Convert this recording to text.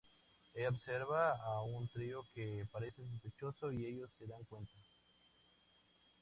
Ella observa a un trío que parece sospechoso y ellos se dan cuenta.